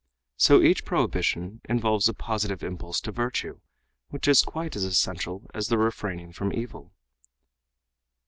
So each prohibition involves a positive impulse to virtue, which is quite as essential as the refraining from evil."